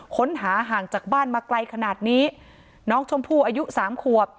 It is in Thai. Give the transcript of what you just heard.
ค้นหาห่างจากบ้านมาไกลขนาดนี้น้องชมพู่อายุสามขวบ